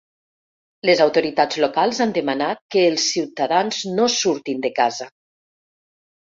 Les autoritats locals han demanat que els ciutadans no surtin de casa.